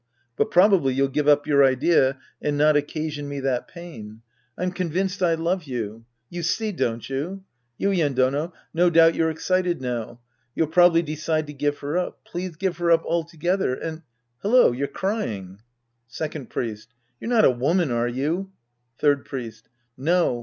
But probably you'll give up your idea and not occa Sc. I The Priest and His Disciples i89 sion me that pain. I'm convinced I love you. You see, don't you? Yuien Dono, no doubt you're excited now. You'll probably decide to give her up. Please give her up altogether and — hello, you're crying. Second Priest. You're not a woman, are you ? Third Priest. No.